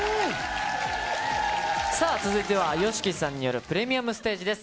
さあ、続いてはＹＯＳＨＩＫＩさんによるプレミアムステージです。